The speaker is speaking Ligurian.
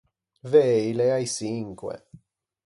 Vëi l’ea i çinque.